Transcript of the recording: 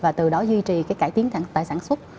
và từ đó duy trì cải tiến tại sản xuất